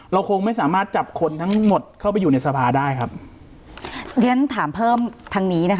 เราคงไม่สามารถจับคนทั้งหมดเข้าไปอยู่ในสภาได้ครับเรียนถามเพิ่มทางนี้นะคะ